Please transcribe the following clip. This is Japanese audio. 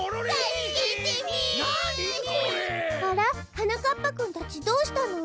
あら？はなかっぱくんたちどうしたの？